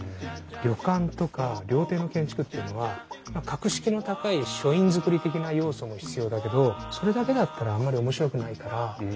旅館とか料亭の建築っていうのは格式の高い書院造り的な要素も必要だけどそれだけだったらあんまり面白くないからちょっと崩す。